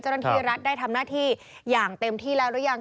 เจ้าหน้าที่รัฐได้ทำหน้าที่อย่างเต็มที่แล้วหรือยัง